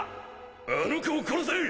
あの子を殺せ！